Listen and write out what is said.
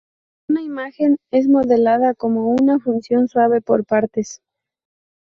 Una imagen es modelada como una función suave por partes.